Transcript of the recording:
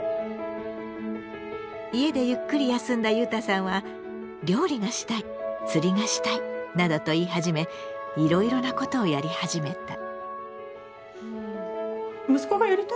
家でゆっくり休んだゆうたさんは「料理がしたい釣りがしたい」などと言い始めいろいろなことをやり始めた。